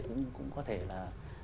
thì cũng có thể là